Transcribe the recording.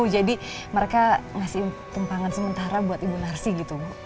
jadi mereka masih tempangan sementara buat ibu narsi gitu bu